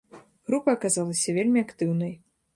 Група аказалася вельмі актыўнай.